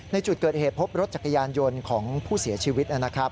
ในจุดเกิดเหตุพบรถจักรยานยนต์ของผู้เสียชีวิตนะครับ